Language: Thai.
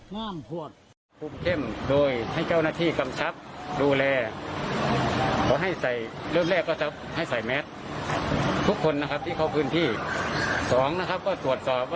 มันไปเลยก่อกลับครบนะครับก็ให้แกล้งซึ่งเที่ยวข้างมีสองลายนะครับ